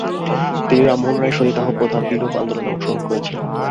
তিনি রামমোহন রায়ের সতীদাহ প্রথা-বিলোপ আন্দোলনে অংশ গ্রহণ করেছিলেন।